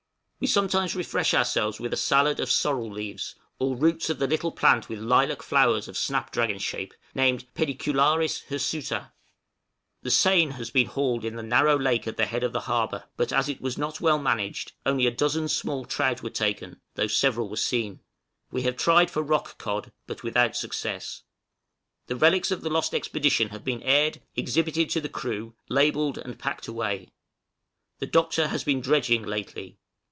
We sometimes refresh ourselves with a salad of sorrel leaves, or roots of the little plant with lilac flower of snapdragon shape, named Pedicularis hirsuta. The seine has been hauled in the narrow lake at the head of the harbor, but, as it was not well managed, only a dozen small trout were taken, though several were seen. We have tried for rock cod, but without success. The relics of the lost expedition have been aired, exhibited to the crew, labelled, and packed away. The Doctor has been dredging lately.